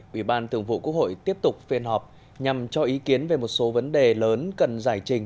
ủy ban thường vụ quốc hội tiếp tục phiên họp nhằm cho ý kiến về một số vấn đề lớn cần giải trình